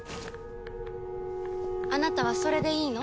あなたはそれでいいの？